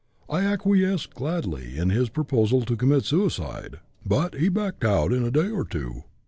I acquiesced gladly in this proposal to commit suicide, but he backed out in a day or two.